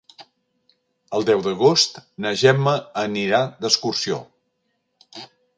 El deu d'agost na Gemma anirà d'excursió.